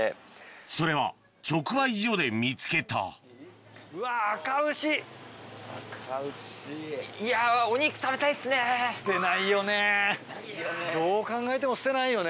それは直売所で見つけた捨てないよねどう考えても捨てないよね。